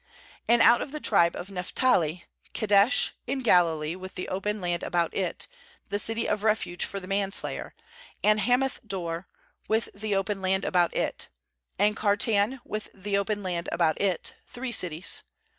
^And out of the tribe of Naph tali, Kedesh in Galilee with the open. » Heb. Anok. 286 JOSHUA 22.8 land about it, the city of refuge for the manslayer, and Hammpth dor with the open land about it, and Kartan with the open land about it; three cities.